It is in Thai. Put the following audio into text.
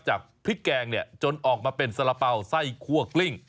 จากพริกแกงเนี่ยจนออกมาเป็นสาระเป๋าไส้คั่วกลิ้ง